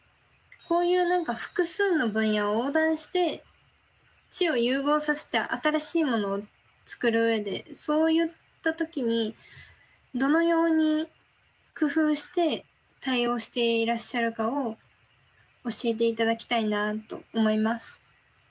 こういう複数の分野を横断して知を融合させた新しいものを作る上でそういった時にどのように工夫して対応していらっしゃるかを教えて頂きたいなと思います。